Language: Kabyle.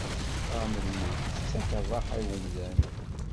Qqaren lmut tettak rraḥa i umdan.